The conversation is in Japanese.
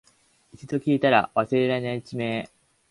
一度聞いたら忘れられない地名